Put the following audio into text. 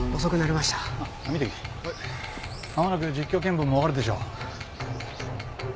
まもなく実況見分も終わるでしょう。